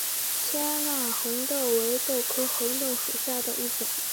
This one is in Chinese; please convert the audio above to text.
纤柄红豆为豆科红豆属下的一个种。